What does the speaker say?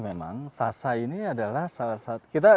memang sasa ini adalah salah satu kita